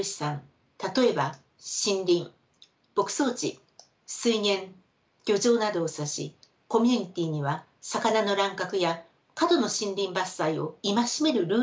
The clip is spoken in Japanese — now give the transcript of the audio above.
例えば森林牧草地水源漁場などを指しコミュニティーには魚の乱獲や過度の森林伐採を戒めるルールがありました。